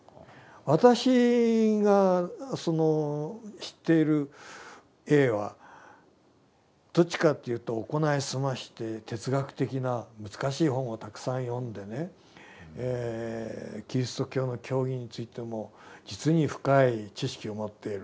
私がその知っているＡはどっちかというと行い澄まして哲学的な難しい本をたくさん読んでねキリスト教の教義についても実に深い知識を持っている。